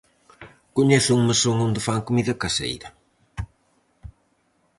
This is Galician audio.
Coñezo un mesón onde fan comida caseira.